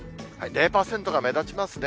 ０％が目立ちますね。